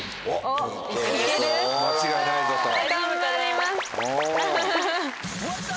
間違いないぞと。